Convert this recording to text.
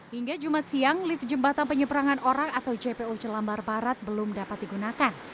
hingga jumat siang lift jembatan penyeberangan orang atau jpo jelambar barat belum dapat digunakan